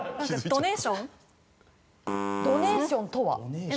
ドネーションとは？